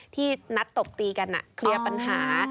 ที่นัดตบตีกันเคลียร์ปัญหา